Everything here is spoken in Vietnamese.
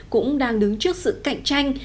cũng đang đứng trước sự cạnh tranh